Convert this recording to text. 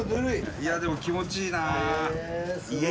いやでも気持ちいいなあ。